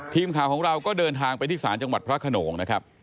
ทีมข่าวของเราก็เดินทางไปที่ศาลจังหวัดพระขนงนะครับ